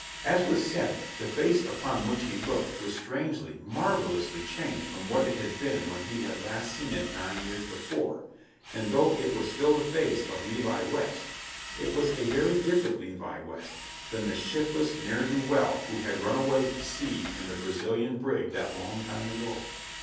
As was said, the face upon which he looked was strangely, marvelously changed from what it had been when he had last seen it nine years before, and, though it was still the face of Levi West, it was a very different Levi West than the shiftless ne'er do well who had run away to sea in the Brazilian brig that long time ago.